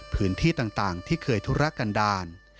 พื้นที่ต่างที่เคยธุรกันดาล